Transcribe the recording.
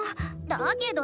だけどさ。